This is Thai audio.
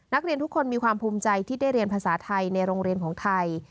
นักเรียนทุกคนมีความภูมิใจที่ได้เรียนภาษาไทยในโรงเรียนของไทย